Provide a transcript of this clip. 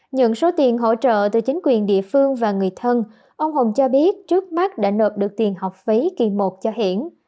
nhận số tiền hỗ trợ từ chính quyền địa phương và người thân ông hồng cho biết trước mắt đã nộp được tiền học phí kỳ một cho hiển